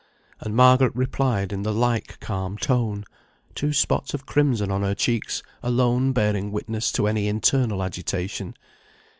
And Margaret replied in the like calm tone, two spots of crimson on her cheeks alone bearing witness to any internal agitation.